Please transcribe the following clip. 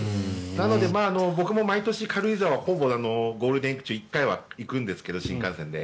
なので僕も毎年、軽井沢ほぼゴールデンウィークは１回は行くんですけど新幹線で。